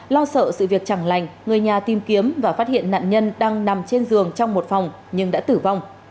lo sợ sự việc chẳng lành người nhà tìm kiếm và phát hiện nạn nhân đang nằm trên giường trong một phòng nhưng đã tử vong